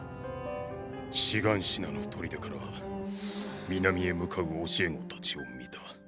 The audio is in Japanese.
シガンシナの砦から南へ向かう教え子たちを見た。